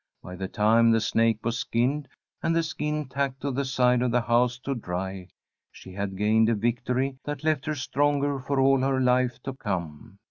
By the time the snake was skinned, and the skin tacked to the side of the house to dry, she had gained a victory that left her stronger for all her life to come.